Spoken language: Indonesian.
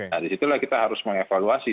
nah disitulah kita harus mengevaluasi